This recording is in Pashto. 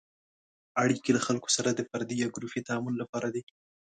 اړیکې له خلکو سره د فردي یا ګروپي تعامل لپاره دي.